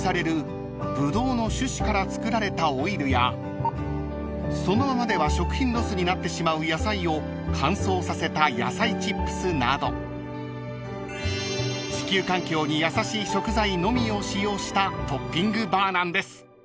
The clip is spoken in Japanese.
ブドウの種子から作られたオイルやそのままでは食品ロスになってしまう野菜を乾燥させた野菜チップスなど地球環境に優しい食材のみを使用したトッピングバーなんです］